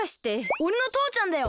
おれの父ちゃんだよ！